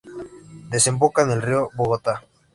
Desemboca en el río Bogotá.